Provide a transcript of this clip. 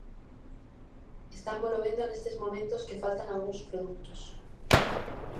Estámolo vendo nestes momentos que faltan algúns produtos.